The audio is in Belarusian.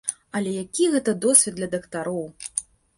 Але які гэта досвед для дактароў!